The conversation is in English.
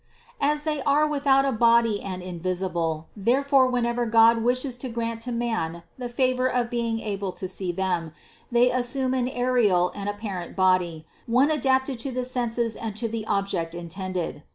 As they are without a body and invisible, therefore whenever God wishes to grant to man the favor of being able to see them, they assume an aerial and apparent body, one that is adapted THE CONCEPTION 299 to the senses and to the object intended.